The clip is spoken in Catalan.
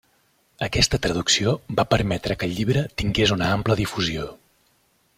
Aquesta traducció va permetre que el llibre tingués una ampla difusió.